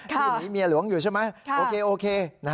ที่หนีเมียหลวงอยู่ใช่ไหมโอเคโอเค